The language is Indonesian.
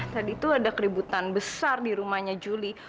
tadi tuh ada keributan besar di rumahnya juli